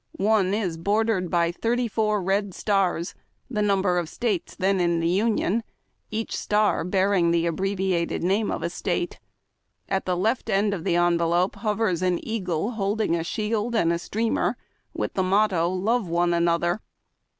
One is bordered by thirty four red stars — the number of States then in the Union — each star bearing the abbreviated name of a State. At the left end of the envelope hovers an eagle holding a sjiield and streamer, with this motto, '■'■Love one another.''